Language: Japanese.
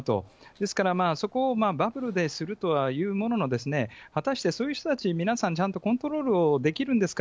ですから、そこをバブルでするとはいうものの、果たしてそういう人たち、皆さん、ちゃんとコントロールをできるんですか？